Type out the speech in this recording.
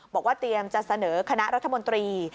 บอกว่าเตรียมจะเสนอคณะรัฐมนตรี